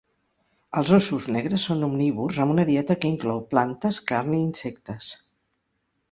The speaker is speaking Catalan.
Els óssos negres són omnívors amb una dieta que inclou plantes, carn i insectes.